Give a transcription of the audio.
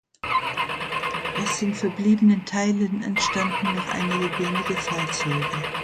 Aus den verbliebenen Teilen entstanden noch einige wenige Fahrzeuge.